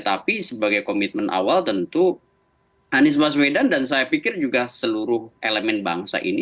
tapi sebagai komitmen awal tentu anies baswedan dan saya pikir juga seluruh elemen bangsa ini